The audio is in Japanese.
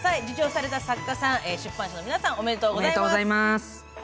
受賞された作家さん、出版社の皆さん、おめでとうございます。